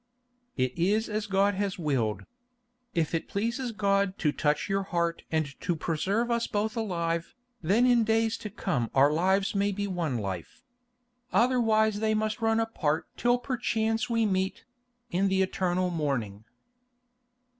"It is as God has willed. If it pleases God to touch your heart and to preserve us both alive, then in days to come our lives may be one life. Otherwise they must run apart till perchance we meet—in the eternal morning."